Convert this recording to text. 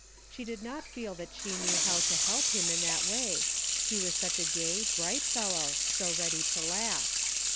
She did not feel that she knew how to help him in that way, he was such a gay, bright fellow, so ready to laugh.